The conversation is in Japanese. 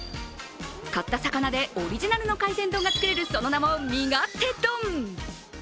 買った魚でオリジナルの海鮮丼が作れる、その名も味勝手丼。